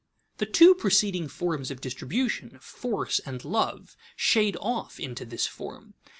_ The two preceding forms of distribution, force and love, shade off into this form.